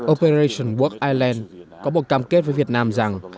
operation walk island có một cam kết với việt nam rằng